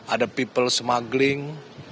ada people smuggling